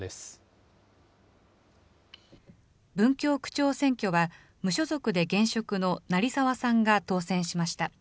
文京区長選挙は、無所属で現職の成沢さんが当選しました。